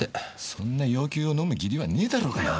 そんな要求を飲む義理はねえだろうがよ。